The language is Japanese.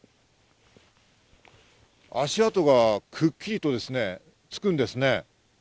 足跡がくっきりとつくんですね。